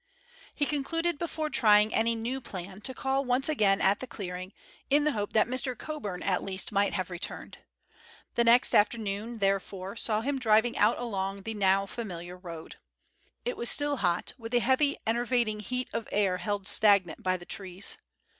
He concluded before trying any new plan to call once again at the clearing, in the hope that Mr. Coburn at least might have returned. The next afternoon, therefore, saw him driving out along the now familiar road. It was still hot, with the heavy enervating heat of air held stagnant by the trees.